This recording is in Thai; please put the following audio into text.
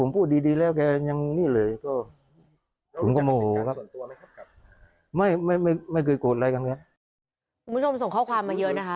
คุณผู้ชมส่งข้อความมาเยอะนะคะ